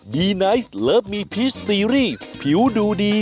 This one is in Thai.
แล้วเมื่อวานนี้